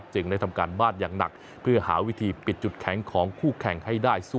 ได้ทำการบ้านอย่างหนักเพื่อหาวิธีปิดจุดแข็งของคู่แข่งให้ได้